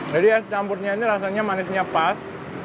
jadi es campurnya ini rasanya manisnya pas